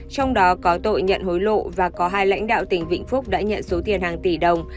trong đó có tội nhận hối lộ và có hai lãnh đạo tỉnh vĩnh phúc đã nhận số tiền hàng tỷ đồng